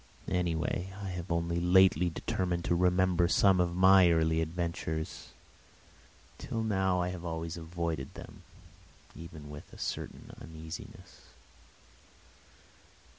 Anyway, I have only lately determined to remember some of my early adventures. Till now I have always avoided them, even with a certain uneasiness.